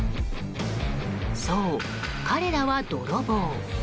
そう、彼らは泥棒。